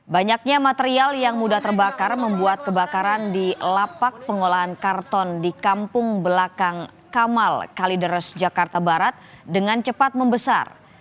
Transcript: banyaknya material yang mudah terbakar membuat kebakaran di lapak pengolahan karton di kampung belakang kamal kalideres jakarta barat dengan cepat membesar